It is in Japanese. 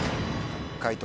解答